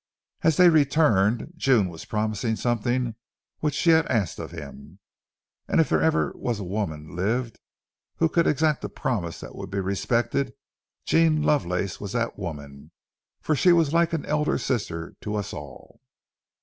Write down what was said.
As they returned, June was promising something which she had asked of him. And if there was ever a woman lived who could exact a promise that would be respected, Jean Lovelace was that woman; for she was like an elder sister to us all.